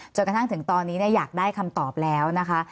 จนกระทั่งถึงตอนนี้อยากได้คำตอบแล้วนะคะ